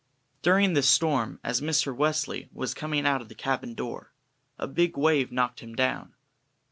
During this storm as Mr. Wesley was coming out of the cabin door, a big wave knocked him down.